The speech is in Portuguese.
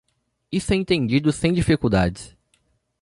Isso é entendido sem dificuldades.